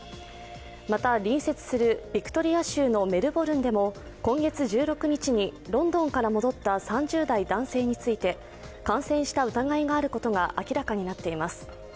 また隣接するビクトリア州のメルボルンでも今月１６日にロンドンから戻った３０代男性について感染した疑いがあることが明らかになっています。